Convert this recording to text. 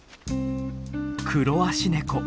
クロアシネコ。